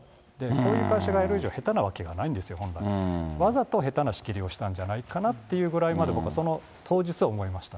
こういう会社がやる以上、下手なわけないんですよ、わざと下手な仕切りをしたんじゃないかなというぐらいまで、僕はその当日は思いました。